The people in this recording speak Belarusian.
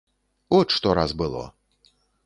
От што раз было.